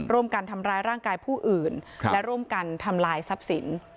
ร่วมกันทำร้ายร่างกายผู้อื่นและร่วมกันทำลายทรัพย์สิน